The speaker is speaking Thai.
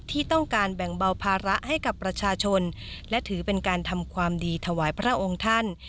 ที่ต้องการแบ่งเบาภาระให้กับประชาชนและถือเป็นการทำความดีถวายพระองค์ท่าน